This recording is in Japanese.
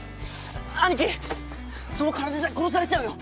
アニキその体じゃ殺されちゃうよ。